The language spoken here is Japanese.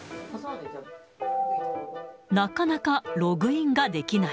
なかなかログインができない。